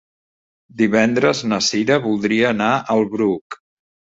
Divendres na Cira voldria anar al Bruc.